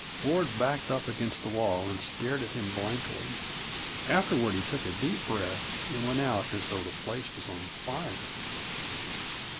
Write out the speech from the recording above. Ford backed up against the wall and stared at him blankly. Afterward he took a deep breath and went out as though the place was on fire.